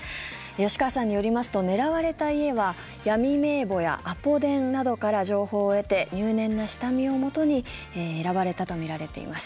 吉川さんによりますと狙われた家は闇名簿やアポ電などから情報を得て入念な下見をもとに選ばれたとみられています。